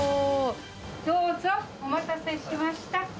どうぞお待たせしました。